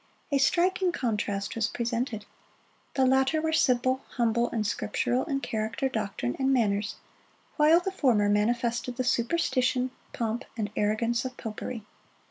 A striking contrast was presented. The latter were simple, humble, and scriptural in character, doctrine, and manners, while the former manifested the superstition, pomp, and arrogance of popery.